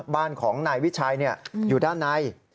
บ้านของนายวิชัยอยู่ด้านใน